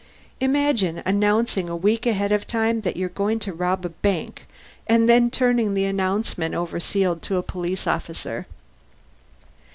Imagine, announcing a week ahead of time that you're going to rob a bank and then turning the announcement over sealed to a police officer!"